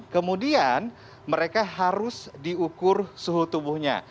kemudian mereka harus diukur suhu tubuhnya